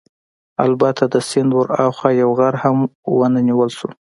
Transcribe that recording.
البته د سیند ورهاخوا یو غر هم ونه نیول شو.